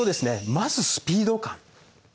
まずスピード感。